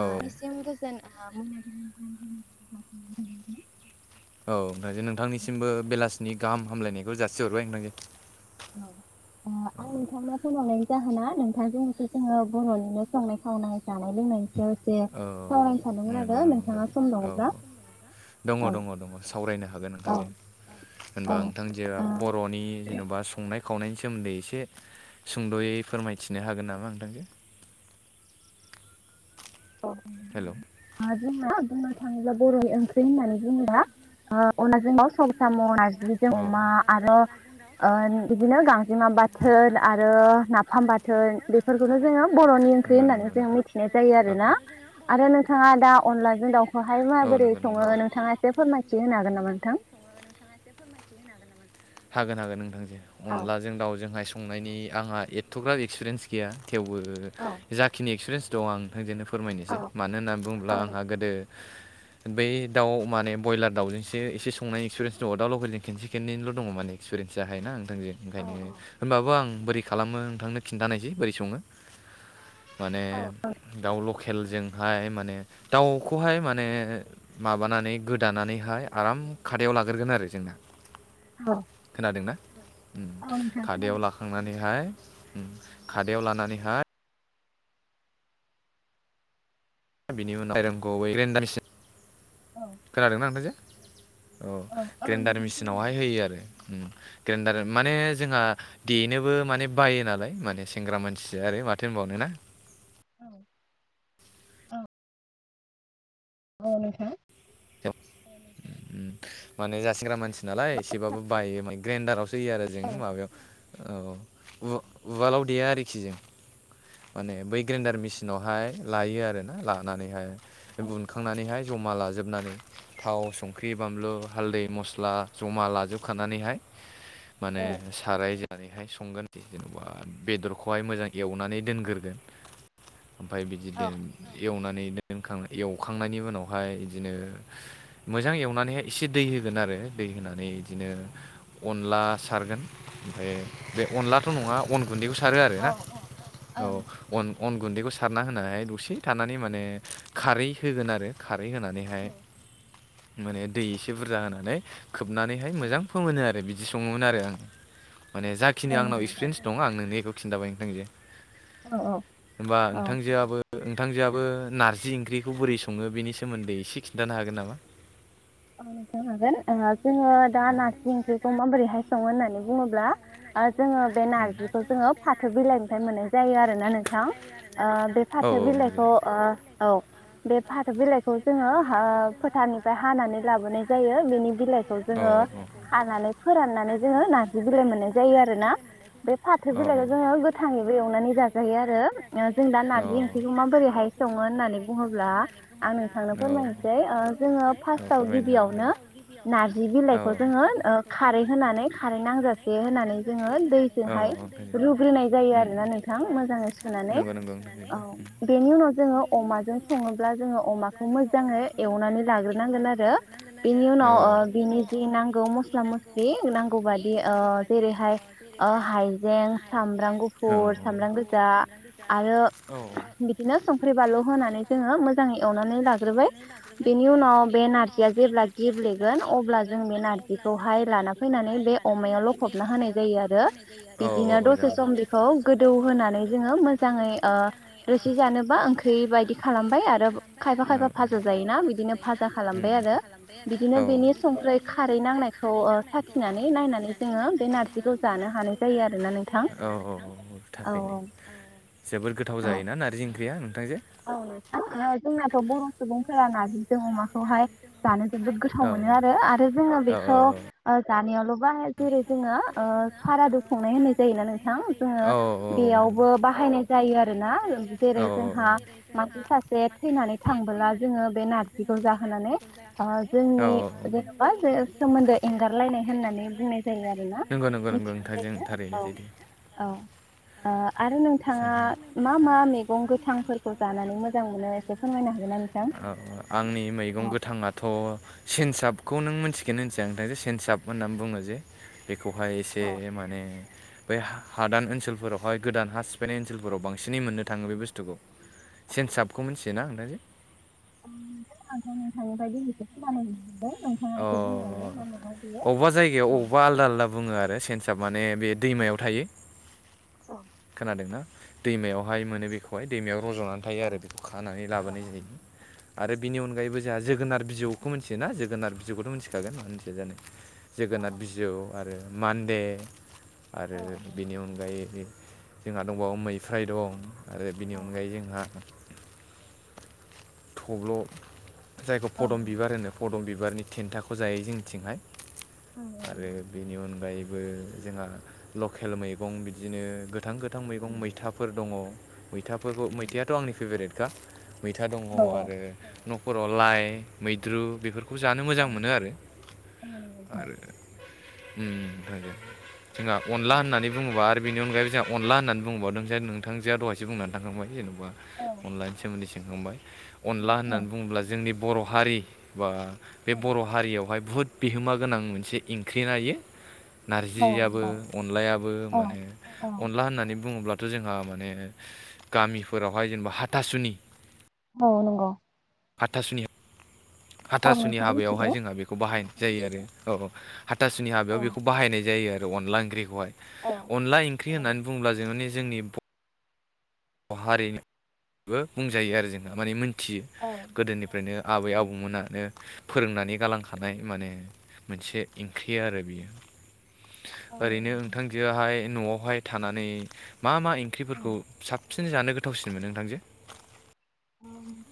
ओ एसिम गोजोन ओ मोनाबिलि औ ओ नोंथांनिसिमबो बेलासिनि गाहाम हामलायनायखौ जासिहरबाय नोंथां। औ ओ आं नोंथांनो फन हरनायनि जाहोना नोंथांजों एसे जोङो बर'निनो संनाय खावनाय जानाय लोंनायनि सायाव एसे खावरायनो सानदोंमोन आरो नोंथाङा सम दङब्ला। दंङ दंङ दंङ सावरायनो हागोन नोंथां। होनबा नोंथां जे बर'नि जेन'बा संनाय खावनायनि सोमोन्दै एसे सुंद'यै फोरमायथिनो हागोन नामा नोंथांजो? [inaudible] [unintelligible] थाङोब्ला बर'नि ओंख्रि होननानै बुङोबा अनलाजों दाव सबायजों साम ना जिजों अमा आरो बिदिनो गांजेमा बाथोन आरो नाफाम बाथोन बाथोन बेफोरखौनो जोङो बर'नि ओंख्रि होन्नानै जों मिथिनाय जायो। ओ औ आरो नोंथाङा दा अनलाजों दाउखौहाय माबोरै सङो नोंथाङा एसे फोरमायथि होनो हागोन नामा नोंथां? ओ नोंथाङा हागोन हागोन नोंथांसो अनलाजों दाउजोंहाय संनायनि आंहा एथ'ग्राब एक्सपिरियेन्स गैया। थेवबो जाखिनि एक्सपिरियेन्स दङ आं नोंथांजोंनो फोरमायनोसै मानो होननानै बुङोब्ला आंहा गोदो बै दाउ माने ब्रयलार दाउजोंसो एसे संनाय एक्सपिरियेन्स जङ दाउ ल लोगोेलजों खनसे खनैल' दङ मानि एक्सपिरियेस जाय नोंथांजों ओंखायनो होनबाबो आं बोरै खालामो नोंथांनो खिन्थानायसै बोरै सङो माने दाउ लकेल खेलजोंहाय माने दाउखौहाय माने माबानानै गोदानानैहाय आराम खादायाव लाग्रोगोन आरो जोंना औ खादायाव लाखांनानैहाय खादायाव लानानैहाय बिनि उनाव आरंखौ बै ग्रेनदार मिसिम खोनादोंना नोंथां? औ ग्रेन्डार मेसिनावहाय होयो आरो ग्रेन्डार माने जोंहा देनोबो माने बायो नालाय माने सेंग्रा मानसि आरो माथो बावनो ना औ औ ओ नोंथां माने जासिनग्रा मानसि नालाय एसेबाबो बायो म ग्रेडारावसो थैयो आरो जों माबायाव औ उवालाव देया आरोखि जों माने बै ग्रेन्डार मेसिनावहाय लायो आरोना लानानैहाय उनखांनानैहाय जमा माला जोबनानै थाव संख्रि बानलु हालदै मस्ला जमा लाजोबखानानैहाय माने साराय जानानैहाय संगोन आरो जेनेबा बेदरखौहाय मोजां एवनानै दोनग्रोगोन ओमफाय बिदिनो एवनानै दोनखां एवखांनायनि उनावहाय बिदिनो मोजां एवनानैहाय एसे दै होगोन आरो दै होनानै इदिनो अनला सारगोन ओमफ्राय बे अनलाथ' नङा। गुन्दैखौ सारो आरो ना औ अन अन गुन्दैखौ सारना होनानैाय दसे थानानै माने खारै होगोन आरो खारै होनानैहाय माने दै एसे बुरजा होनानै खोबनानैहाय मोजां फोमोनो आरो बिदि सङोमोन आरो आं माने जाखिनि आंनाव इक्सपिरियन्स दं आंनो नेखौ खिन्थाबाय नोंथां जे हबा नोंथांजोआबो नोंथांजोआाबबो नारजि ओंख्रिखौ बोरै सङो बेनि सोमोन्दै एसे खिन्थानो हागोन नामा? औ- नोंथां हागोन जोङो दा नार्जि ओंख्रिखौ माबोरैहाय सोङो होननानै बुङोब्ला ओ जोङो बे नारजिखौ जोङो फाथो बिलाइनिफ्राय मोननाय जायो आरो ना नोंथां ओ- बे फाथो बिलाइ खौ ओ- औ- बे फाथो बिलाइखौ जोङो ओ- फोथारनिफ्राय हानानै लाबोनाय जायो बेनि बिलाइ खौ जोङो खानानै फोराननानै जोङो नार्जि बिलाइ मोननाय जायो आरोना बे फाथो बिलाइखौ जोङो गोथाङैबो एवनानै जाजायो आरो ओ- जों दा नारजि ओंख्रिखौ माबोरैहाय सङो होननानै बुङोब्ला आं नोंथांनो फोरमायनोसै ओ- जोङो फार्आव गिबियावनो नारजि बिलाइखौ जोङो ओ- खारै होनानै खारै नांजासे होनानै जोङो दै जो हाय रुग्रोनाय जायो आरोना नोंथां मोजाङै सुनानै औ- बेनि उनाव जों जोङो अमाजों सङोब्ला जोङो अमाखौ मोजाङै एवनानै लाग्रोनांगोन आरो बेनि उनाव ओ- बिनि जि नांगौ मस्ला मस्लि नांगौ बादि ओ- जेरै हाय अ- हाय जें सामब्राम गुफुर सामब्राम गोजा आरो बिदिनो संख्रि बानलु होनानै जोङो मोजां एवनानै लाग्रोबाय। बेनि उनाव बे नारजि- नारखिया जेब्ला गेब्लेगोन अब्ला जों बे नारजिखौहाय लाना फैनानै बे अमायाव लखबना होनाय जायो आरो। बिदिनो दसे सम बेखौ गोदौ होनानै जोङो मोजाङै ओ- रोसि जानोबा ओंख्रि बे बायदि खालामबाय आरो खायफा खायफा भाजा जायोना बिदिनो भाजा खालामबाय आरो बिदिनो बेनि संख्रिरै नांनायखौ ओ- साखिनानै नायनानै जोङो बे नारजिखौ जानो हानाय जायो आरो। औ- औ- औ- थाखायनो जोबद गोथाव जायोना नारजि ओंख्रिया? [inaudible] औ- नोंथां जोंनाथ' बर' सुबुंफोरा नारजिजों अमाखौहाय जानो जोबोद गोथाव मोनो आरो आरो जोङो ओ- बेखौ जानायावल' जेरै जोङो ओ- सारादु खुंनाय होननाय जायोना नोंथां जोङो बेयावबो बनाय जायो आरोना जेरै जोंहा [inaudible] मानसि सासे थैनानै थांबोला जोङो बे नारजिखौ जाहोनानै ओ- जोंनि बे जेनबा जों सोमोन्दो एंगारलायनाय होननानै जायो आरोना मिथिनाय जायो। औ औ- ओ- आरो नोंथाङा मा मा मैगं गोथांफोर [inaudible] ओ- आंनि मैगं गोथाङाथ' सिनसाब खौ- नों मिथिगौना मिन्थिया नोथां'जे सिनसाब होना [unintelligible] बुङो जे बेखौहाय एसे माने बै हादान ओनसोलफोरावहाय गोदान हा सिफाय नाय ओनसोलफोराव बांसिनै मोननो थाङो बे बुस्थुखौ। सेनसाबखौ मिथियोना नोंथां? जे [inaudible] अ- नोंथां आंथ' नोंथांनिफ्राय दिनैसै खोनानो मोनदों। अ- अबेबा जायगायाव अबेबा आलदा आलदा बुङो आरो सेन थाब माने बे दैमायाव थायो। खोनादोंना। दैमायावहाय मोनो बेखौहाय दैमायाव रज'नानै थायो आरो बेखौ खानानै लाबोनाय जायो आरो बिनि अनगायैबो जोंहा जोगोनार बिजौखौ मिथियोना। जोगोनार बिजौखौथ' मिथिखागोन मिथिया जानो? जोगोनाथ बिजौ आरो मान्दे आरो बेनि अनगायै जोंहा दंबावो मैफ्राइ दं आरो बिनि अनगायै जोंहा [inaudible] थब्ल' जायखौ फदम बिबार होनो पदम बिबारनि थेन्थाखौ जायो जोंनिथिंहाय आरो बेनि अनगायै बो- जोंहा लकेल मैगं बिदिनो गोथां गोथां मैगं मैथाफोर दङव। मैथाफोरखौ मैथायाथ' आंनि फेभरेटखा मैथा दङ आरो ' खर' लाइ मैद्रु बेफोरखौ जानो मोजां मोनो आरो। आरो [inaudible] जोंहा अनला होननानै बुङोबा आरो बेनि अनगायैबो जों अनला होननानै बुंबावदों जे नोंथांजोआ दहायसो बुंनानै थांबाय जेन'बा अनलानि सोमोन्दै अनला होननानै बुङोब्ला जोंनि बर हारि बा बे बर हारियावहाय बुहुत बिहोमा गोनां मोनसे एंख्रि ना इयो। नारजियाबो अनलायाबो माने अनला होननानै बुङोब्ला थ जोंहा माने गामिफोरावहाय जेनेबा हाथासुनि औ नंगौ। हाथासुनि [inaudible] हाथासुनि हाबायावहाय जोंहा बेखौ बाहायनाय जायो आरो अ आतासुनि हाबायाव बेखौ बाहायनाय जायो आरो अनला ओंख्रिखौहाय। अनला ओंख्रि होननानै बुङोब्ला जोङो जोंनि ब र' हारिनिबो बुंजायो आरो जोंहा माने मिन थियो गोदोनिफ्रायनो आबै आबौमोनानो फोरोंनानै गालांखानाय माने मोनसे ओंख्रि आरो बियो। ओरैनो नोंथांजोआहाय नआवहाय थानानै मा मा ओंख्रिफोरखौ साबसिन जानो गोथावसिन मोनो नोंथांजो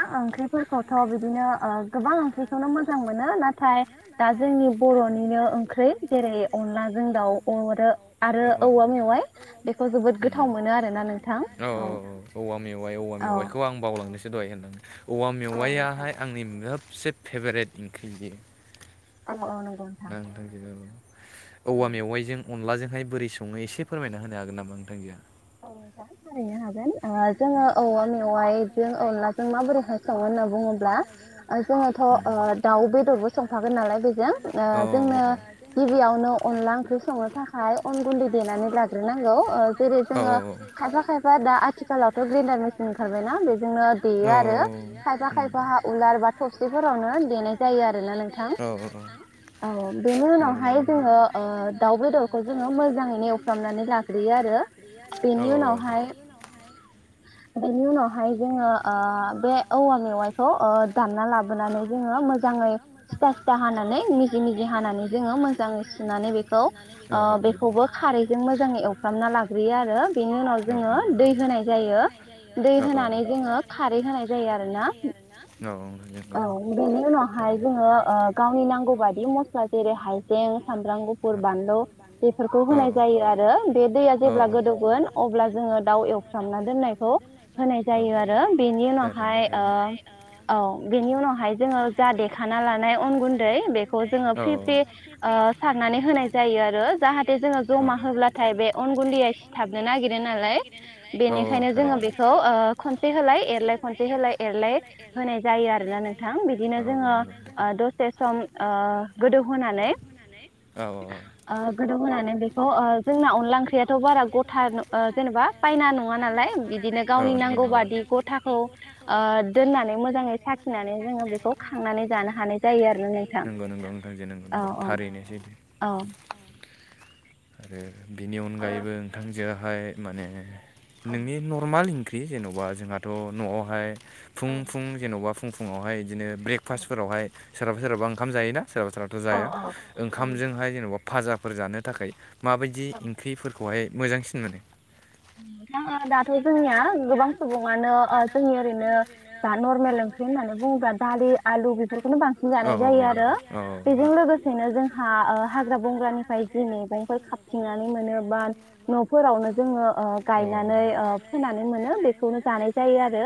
आं ओंख्रिफोरखौथ बिदिनो ओ गोबां ओंख्रिखौनो मोजां मोनो नाथाय दा जोंनि बर निनो ओंख्रि जेरै अनलाजों दाउ अरो आरो औवा मेवाइ बेखौ जोबोद गोथाव मोनो आरोना नोंथां औ मेवाइ औवा मेवाइखौ आं बावलां दहाय होनदों औवा मेवायाहाय आंनि सोबसे फेभरेट ओंख्रि बियो औ अ नों [unintelligible] औवा मेवाइजों अनलाजों हाय बोरै सङो एसे फोरमायना होनो हागोन नामा नोंथांजोहा औ नोंथां थारैनो हागोन ओ जोङो औवा मेवाइजों अनदलाजों माबोरैहाय सङो होनना बुङोब्ला ओ जोङोथ ओ ओ दाउ बेदरबो संफागोन नालाय बेजों ओ जोंनो गिबियावनो अनला ओंख्रि संनो थाख थाखाय अन गुन्दै देनानै लाग्रोनांगौ ओ जेरै जोङो खायफा खायफा दा आथिखालावथ ग्रेन्डार मेसिन ओंखारबायना बेजोंनो देयो आरो खायफा खायफा उलार बा थबसिफोरावनो देनाय जायो आरोना नोंथां औ बेनि उनावहाय जोङो ओ दाउ बेदरखौ जोङो मोजाङैनो एवफ्रामनानै लाग्रोयो आरो बेनि उनावहाय बेनि उनावहाय जोङो ओ बे औवा मेवाइखौ ओ दानना लाबोनानै जोङो मोजाङै सिथा सिथा हानानै मिजि मिजि हानानै जोङो मोजाङै सुनानै बेखौ ओ खौबो खारैजों मोजाङै एवफ्रामना लाग्रोयो आरो बेनि उनाव जोङो दै होनाय जायो दै होनानै जोङो खारै होनाय जायो आरो ना औ बेनि उनावहाय जोङो ओ गावनि नांगौ बायदि मस्ला जेरै हाइजें सामब्राम गुफुर बानलौ‌ बेफोरखौ होनाय जायो आरो बे दैया जेब्ला गोदौगोन अब्ला जोङो दाव एवफ्रामना दोननायखौ होनाय जायो आरो बेनि उनावहाय ओ औ बेनि उनावहाय जोङो जा देखाना लानाय अन गुन्दै बेखौ जोङो फ्रि फ्रि ओ सार नानै होनाय जायो आरो जाहाथे जोङो जमा होब्लाथाय बे अन गुन्दैया सिथाबनो नागिरो नालाय बेनिखायनो जोङो बेखौ ओ खनसे होलाय एरलाय खनसे होलाय एरलाय होनाय जायो आरोना नोंथां बिदिनो जोङो ओ दसे सम ओ गोदौ होनानै ओ गोदौ होनानै बेखौ ओ जोंना अनला ओंख्रियाथ बारा गथा न ओ जेनबा पायना नङा नालाय बिदिनो गा बादि गथाखौ ओ दोननानै मोजाङै साखिनानै जोङो बेखौ खांनानै जानो हानाय जायो आरोना नोंथां औ औ औ आरो बिनि अनगायैबो नोंथां जेरावहाय माने नोंनि नर्माल ओंख्रि जेनबा जोंहाथ नआवहाय फुं फुं जेनबा फुं फुङावहाय इदिनो ब्रेकफास्टफोरावहाय सोरहाबा सोरहाबा ओंखाम जायो ना सोरहाबा सोरहाथ जाया ओंखामजोंहाय जेनबा भाजाफोर जानो थाखाय माबायदि ओंख्रिफोरखौ खौहाय मोजांसिन मोनो नोंथां दाथ जोङो गोबां सुबुङानो जोंनि ओरैनो दा नर्मेल ओंख्रि होननानै बुङोबा दालि बेफोरखौनो बांसिन जानाय जायो आरो बेजों लोगोसेनो जोंहा हाग्रा बंग्रानिफ्राय जि मैगंफोर खाथिंनानै मोनो बा न'फोरावनो जोङो गायनानै फोनानै मोनो बेखौनो जानाय जायो आरो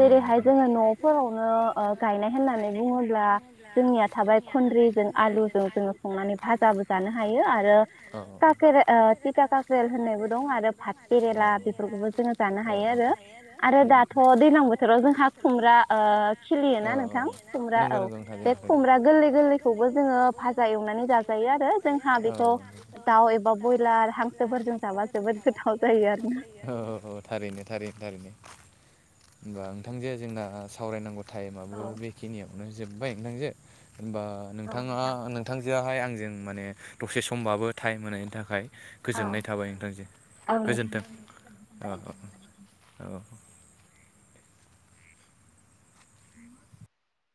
जेरैहाय जोङो न'फोराव गायनाय होननानै बुङोब्ला जोंनिया थाबाय खन्द्रिजों आलुजों जोङो संनानै भाजाबो जानो हायो आरो तिटा केरेल तिथा का ख्रेल होननायबो दं आरो भात केरे भाद करेला बेफोरखौबो जोङो जानो हायो आरो आरो दाथ' दैज्लां बोथोराव जोंहा खुमब्रा ओ खिलियोना नोंथां खुमब्रा औ बे खुमब्रा गोरलै गोरलैखौबो जोङो भाजा एवनानै जाजायो आरो जोंहा बेखौ दाउ एबा ब्रयलार हांसोफोरजों जाबा जोबोद गोथाव जायो। थारैनो थारैनो थारैनो होनबा नोंथांजोें जोंना सावरायनांगौ टाइमाबो बेखिनियावनो जोबबाय नोंथांजों होमबा नोंथाङा नोंथांजोहाय आं जों माने दसे समबाबो टाइम मोनायनि थाखाय गोजोननाय थाबाय नोंथांजों गोजोनथों उ